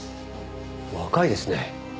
若いですね。